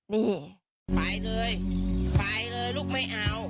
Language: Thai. นี่